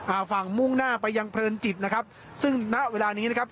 อ่าฝั่งมุ่งหน้าไปยังเพลินจิตนะครับซึ่งณเวลานี้นะครับ